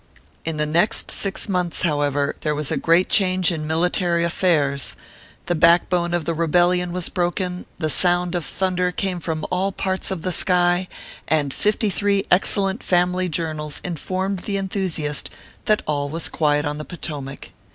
In the next six months, however, there was a great change in our 220 ORPHEUS C. KERB PAPERS. military affairs ; the backbone of the rebellion was broken, the sound of the thunder came from all parts of the sky, and fifty three excellent family journals informed the enthusiast that all was quiet on the Po tomac.